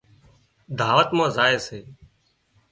دعوت مان زائي سي